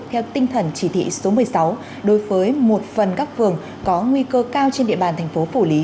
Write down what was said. theo tinh thần chỉ thị số một mươi sáu đối với một phần các phường có nguy cơ cao trên địa bàn thành phố phủ lý